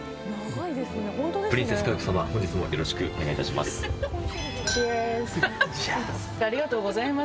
プリンセス佳代子様、本日もよろしくお願いいたします。